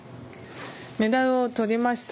メダルをとりました。